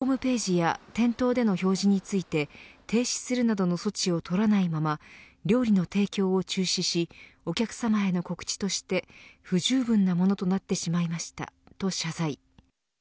スシロー側はホームページや店頭での表示について停止するなどの措置を取らないまま料理の提供を中止しお客さまへの告知として不十分なものとなってしまいましたと謝罪。